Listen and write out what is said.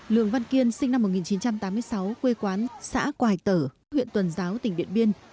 lường văn kiên sinh năm một nghìn chín trăm tám mươi sáu quê quán xã quài tở huyện tuần giáo tỉnh điện biên